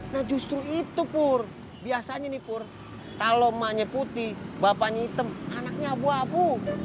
nah justru itu pur biasanya nih pur kalau manya putih bapaknya hitam anaknya abu abu